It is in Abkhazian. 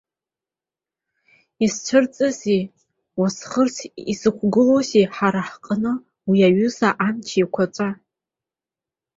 Изцәырҵызеи, уасхырс изықәгылоузеи ҳара ҳҟны уи аҩыза амч еиқәаҵәа?